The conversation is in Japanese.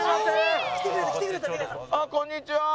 あっこんにちは。